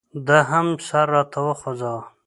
ده هم سر راته وخوځاوه.